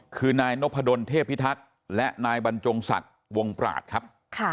คือนายนพดลเทพิทักษ์และนายบรรจงศักดิ์วงปราศครับ